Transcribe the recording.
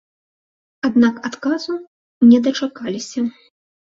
Аднак адказу не дачакаліся.